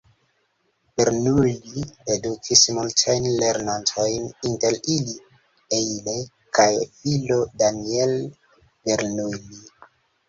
Bernoulli edukis multajn lernantojn, inter ili Euler kaj filo Daniel Bernoulli.